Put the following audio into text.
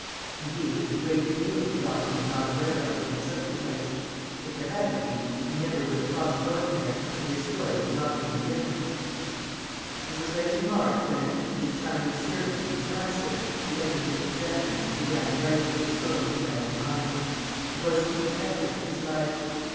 Indeed, there was a great deal that Dawson was not aware of when he took the place. If there hadn't been he never would have thought of going there, and this story would not have been written. It was late in March when, with his Chinese servant and his mastiff, he entered into possession and began the writing of the story he had in mind. It was to be the effort of his life.